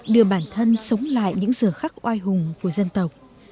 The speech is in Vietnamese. đưa bản thân sống lại những giờ khắc oai hùng của dân tộc